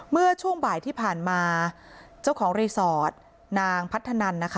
เมื่อช่วงบ่ายที่ผ่านมาเจ้าของรีสอร์ทนางพัฒนันนะคะ